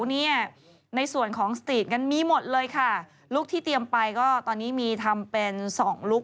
เนี่ยในส่วนของสตรีทกันมีหมดเลยค่ะลุคที่เตรียมไปก็ตอนนี้มีทำเป็นสองลุค